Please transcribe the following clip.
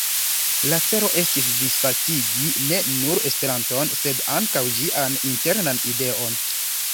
La celo estis disvastigi ne nur Esperanton, sed ankaŭ ĝian internan ideon.